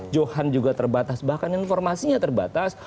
johan juga terbatas bahkan informasinya terbatas